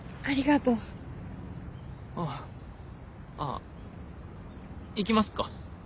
あ行きますか。